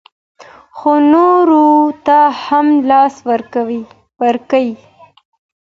خو نورو ته هم لاس ورکړئ.